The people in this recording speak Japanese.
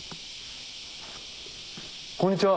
こんにちは。